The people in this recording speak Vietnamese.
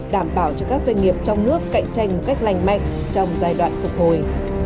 đảm bảo cho các doanh nghiệp trong nước cạnh tranh một cách lành mạnh trong giai đoạn phục hồi